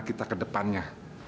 menganggap ke depannya